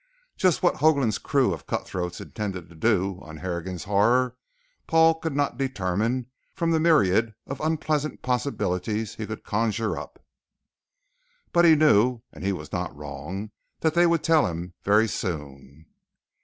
Just what Hoagland's crew of cutthroats intended to do on Harrigan's Horror, Paul could not determine from the myriad of unpleasant possibilities he could conjure up. But he knew and he was not wrong that they would tell him very soon.